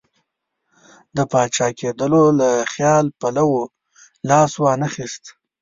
د پاچا کېدلو له خیال پلو لاس وانه خیست.